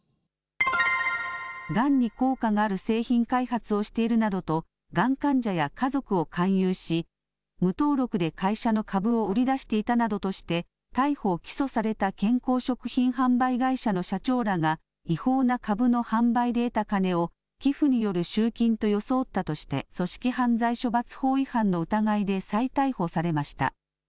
がんに効果がある製品開発をしているなどと、がん患者や家族を勧誘し、無登録で会社の株を売り出していたなどとして、逮捕・起訴された健康食品販売会社の社長らが、違法な株の販売で得た金を、寄付による集金と装ったとして、組織犯罪処罰法違反の疑いで再逮捕されました。